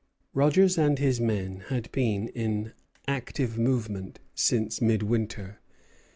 Rogers and his men had been in active movement since midwinter.